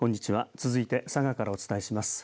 続いて佐賀からお伝えします。